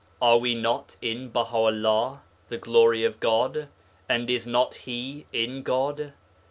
Are we not in Baha'ullah ('the Glory of God'), and is not He in God?